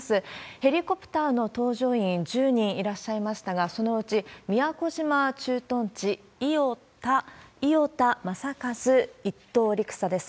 ヘリコプターの搭乗員１０人いらっしゃいましたが、そのうち宮古島駐屯地、伊與田雅一１等陸佐です。